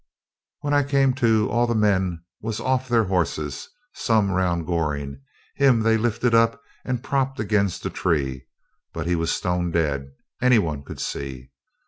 When I came to, all the men was off their horses, some round Goring him they lifted up and propped against a tree; but he was stone dead, any one could see.